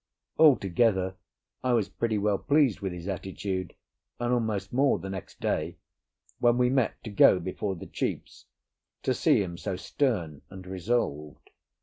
Altogether I was pretty well pleased with his attitude, and almost more the next day, when we met to go before the chiefs, to see him so stern and resolved.